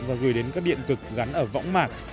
và gửi đến các điện cực gắn ở võng mạc